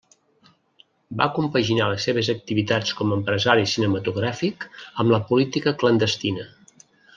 Va compaginar les seves activitats com a empresari cinematogràfic amb la política clandestina.